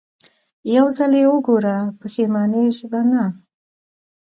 يو ځل يې وګوره پښېمانېږې به نه.